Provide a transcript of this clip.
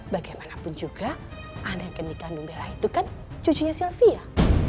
bagaimanapun juga anak yang dikandung bela itu kan cucunya sylvia